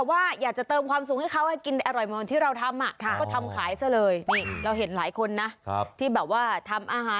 หอยหายากไหมถึงถึงแต่วันนี้หายากน่ะ